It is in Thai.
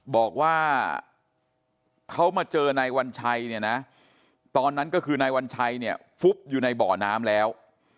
บอกว่าเขามาเจอนายวัญชัยเนี่ยนะตอนนั้นก็คือนายวัญชัยเนี่ยฟุบอยู่ในบ่อน้ำแล้ว